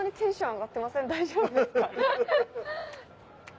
大丈夫ですか？